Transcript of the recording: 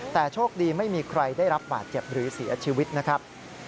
แต่โชคดีไม่มีใครได้รับบาดเจ็บหรือเสียชีวิตนะครับ